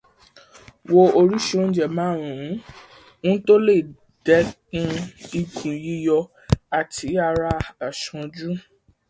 Wo oríṣìí oúnjẹ márùn ún tó lè dẹ́kun ikùn yíyọ àti ara àsanjù.